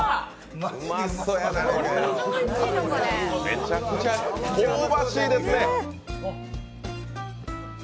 めちゃくちゃ香ばしいですね。